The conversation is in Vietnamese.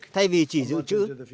thay vì chỉ dự trữ